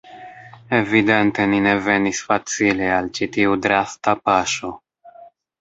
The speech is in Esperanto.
Evidente ni ne venis facile al ĉi tiu drasta paŝo.